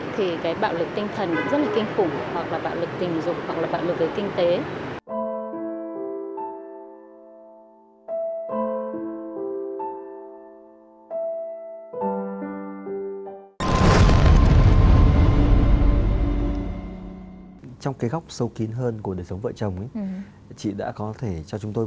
thì cái bạo lực tinh thần cũng rất là kinh khủng